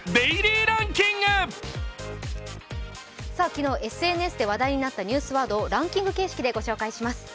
昨日、ＳＮＳで話題となったワードをランキング形式でご紹介します。